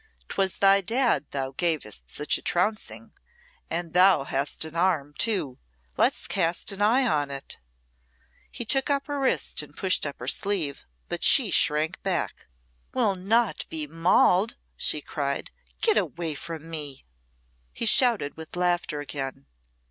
"'Twas thy Dad thou gavest such a trouncing. And thou hast an arm, too. Let's cast an eye on it." He took her wrist and pushed up her sleeve, but she dragged back. "Will not be mauled," she cried. "Get away from me!" He shouted with laughter again.